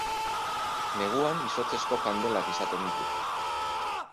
Neguan izotzezko kandelak izaten ditu.